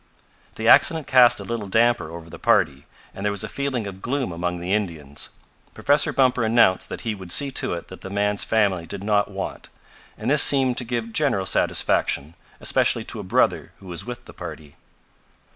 The accident cast a little damper over the party, and there was a feeling of gloom among the Indians. Professor Bumper announced that he would see to it that the man's family did not want, and this seemed to give general satisfaction, especially to a brother who was with the party.